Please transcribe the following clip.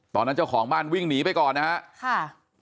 เจ้าของบ้านวิ่งหนีไปก่อนนะครับ